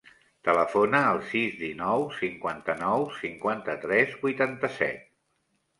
Telefona al sis, dinou, cinquanta-nou, cinquanta-tres, vuitanta-set.